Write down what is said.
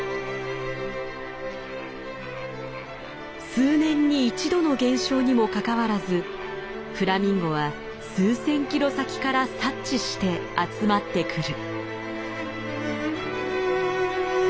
数年に一度の現象にもかかわらずフラミンゴは数千キロ先から察知して集まってくる。